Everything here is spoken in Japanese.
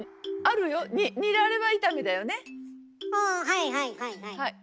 はいはいはいはい。